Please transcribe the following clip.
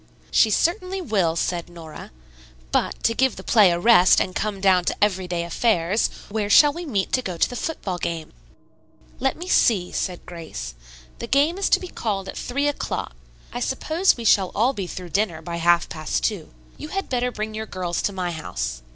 "She certainly will," said Nora. "But, to give the play a rest and come down to everyday affairs, where shall we meet to go to the football game?" "Let me see," said Grace. "The game is to be called at three o'clock. I suppose we shall all be through dinner by half past two. You had better bring your girls to my house.